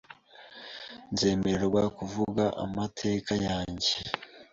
Nzemererwa kuvuga amateka yanjye?